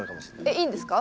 えっいいんですか？